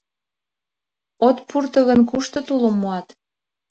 От пуро гын, кушто тулым муат?